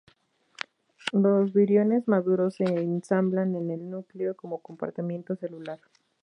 Los viriones maduros se ensamblan en el núcleo como compartimento celular.